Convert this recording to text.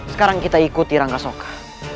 sekarang kita ikuti rangka soka